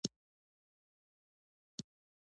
نظارت څنګه اصلاح راوړي؟